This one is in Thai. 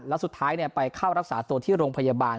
แล้วสุดท้ายไปเข้ารักษาตัวที่โรงพยาบาล